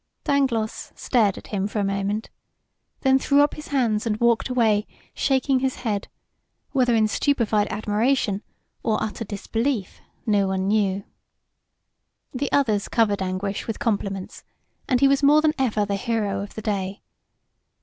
Dangloss stared at him for a moment, then threw up his hands and walked away, shaking his head, whether in stupefied admiration or utter disbelief, no one knew. The others covered Anguish with compliments, and he was more than ever the hero of the day.